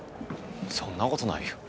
そんなことないよ。